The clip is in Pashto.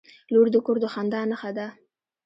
• لور د کور د خندا نښه ده.